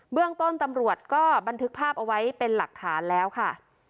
เรื่องต้นตำรวจก็บันทึกภาพเอาไว้เป็นหลักฐานแล้วค่ะ